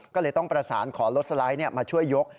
ก็เลยต้องประสานขอรถสไลด์มาช่วยยก